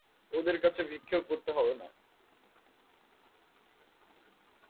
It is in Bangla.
ওদের কাছে ভিক্ষেও করতে হবে না।